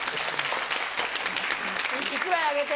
１枚あげて。